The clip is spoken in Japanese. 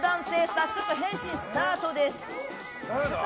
早速、変身スタートです！